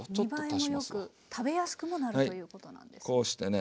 見栄えも良く食べやすくもなるということなんですね。